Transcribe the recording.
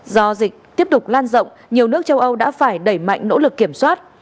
do dịch tiếp tục lan rộng nhiều nước châu âu đã phải đẩy mạnh nỗ lực kiểm soát